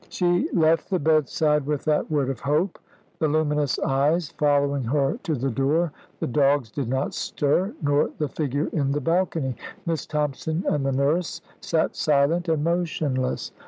She left the bedside with that word of hope, the luminous eyes following her to the door. The dogs did not stir, nor the figure in the balcony. Miss Thompson and the nurse sat silent and motionless.